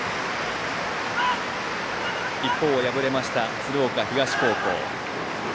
一方、敗れました鶴岡東高校。